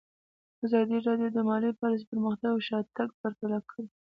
ازادي راډیو د مالي پالیسي پرمختګ او شاتګ پرتله کړی.